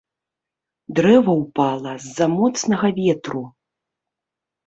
Дрэва ўпала з-за моцнага ветру.